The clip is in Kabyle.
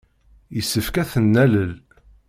Yessefk ad ten-nalel.